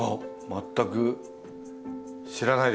全く知らないです。